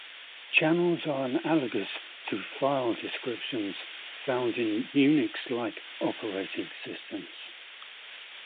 Channels are analogous to "file descriptors" found in Unix-like operating systems.